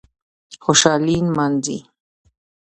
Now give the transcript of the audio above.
خوشالي نمانځي